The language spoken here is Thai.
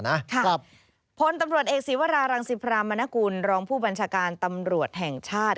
ครับพลตำรวจเอกศีวรารังสิพรามนกุลรองผู้บัญชาการตำรวจแห่งชาติ